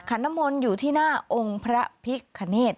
อาณมนต์อยู่ที่หน้าองค์พระภิกข์คเนธ